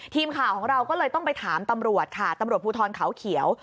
ทีมข่าวของเราก็เลยต้องไปถามตำรวจค่ะตำรวจภูทรเขาเขียว